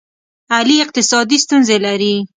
علي اقتصادي ستونزې لري.